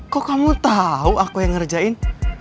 kok kamu tahu aku yang ngerjain